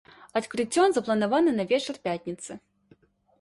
Адкрыццё запланавана на вечар пятніцы.